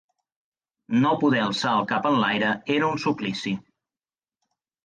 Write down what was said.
No poder alçar el cap enlaire era un suplici